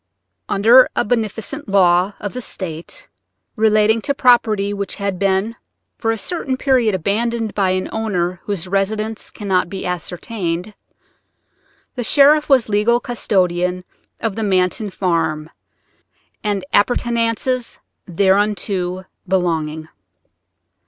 Under a beneficent law of the State relating to property which has been for a certain period abandoned by an owner whose residence cannot be ascertained, the sheriff was legal custodian of the Manton farm and appurtenances thereunto belonging.